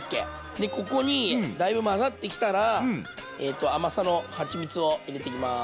でここにだいぶ混ざってきたら甘さのはちみつを入れていきます。